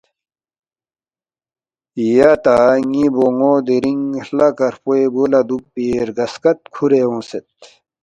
”یا تا ن٘ی بون٘و دِرنگ ہلہ کرفوے بُو لہ دُوکپی رگہ سکت کُھورے اونگسید“